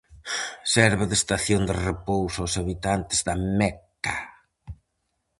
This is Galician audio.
Serve de estación de repouso aos habitantes da Meca.